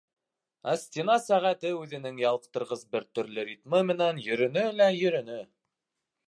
Ә стена сәғәте үҙенең ялҡтырғыс бер төрлө ритмы менән йөрөнө лә йөрөнө.